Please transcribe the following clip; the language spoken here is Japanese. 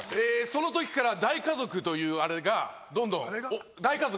その時から大家族というあれがどんどん大家族。